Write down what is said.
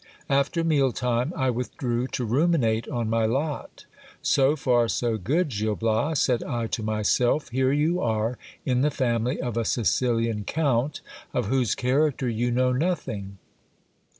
After meal time I withdrew to ruminate on my lot. So far so good, Gil Bias ! said I to myself : here you are in the family of a Sicilian count, of whose character you know nothing.